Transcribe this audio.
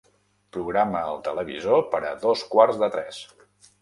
Programa el televisor per a dos quarts de tres.